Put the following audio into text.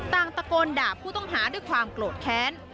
ต่างตะโกนด่าผู้ต้องหาด้วยความโกรธแค้น